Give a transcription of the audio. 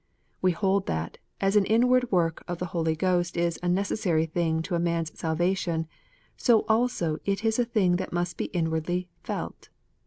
We hold that, as an inward work of the Holy Ghost is a necessary thing to a man s salvation, so also it is a thing that must be inwardly felt.